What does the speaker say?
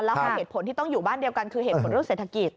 แล้วเหตุผลที่ต้องอยู่บ้านเดียวกันคือเหตุผลเรื่องเศรษฐกิจ